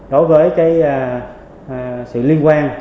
đối với cái sự liên quan